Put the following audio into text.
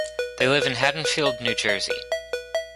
They live in Haddonfield, New Jersey.